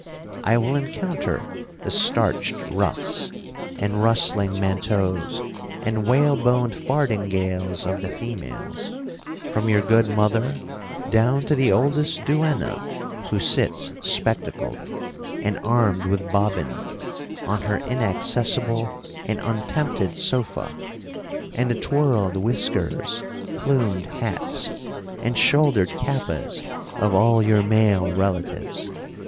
I will encounter the starched ruffs, and rustling manteaus, and whale boned fardingales of the females, from your good mother down to the oldest duenna who sits spectacled, and armed with bobbin, on her inaccessible and untempted sopha; and the twirled whiskers, plumed hats, and shouldered capas of all your male relatives.